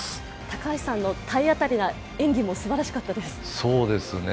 高橋さんの体当たりな演技もすばらしかったです。